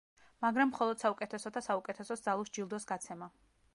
მაგრამ მხოლოდ საუკეთესოთა საუკეთესოს ძალუძს ჯილდოს გაცემა.